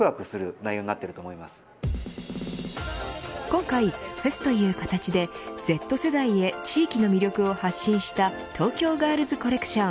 今回フェスという形でＺ世代へ地域の魅力を発信した東京ガールズコレクション。